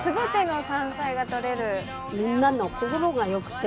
みんなの心がよくて。